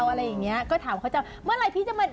อะไรอย่างเงี้ยก็ถามเขาจะเมื่อไหร่พี่จะมา